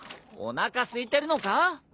おなかすいてるのか？